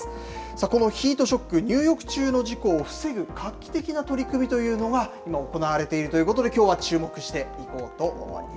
このヒートショック、入浴中の事故を防ぐ画期的な取り組みというのが、今行われているということで、きょうはチューモクしていこうと思います。